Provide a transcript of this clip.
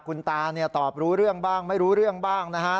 คุณตาตอบรู้เรื่องบ้างไม่รู้เรื่องบ้างนะฮะ